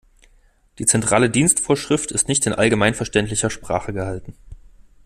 Die Zentrale Dienstvorschrift ist nicht in allgemeinverständlicher Sprache gehalten.